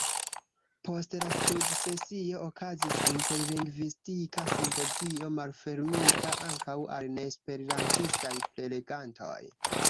Post la studsesio okazis interlingvistika simpozio, malfermita ankaŭ al neesperantistaj prelegantoj.